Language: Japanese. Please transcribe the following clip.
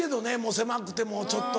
狭くてもちょっと。